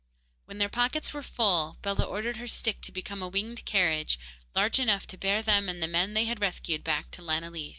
When their pockets were full, Bellah ordered her stick to become a winged carriage, large enough to bear them and the men they had rescued back to Lanillis.